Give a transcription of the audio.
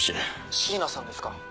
椎名さんですか？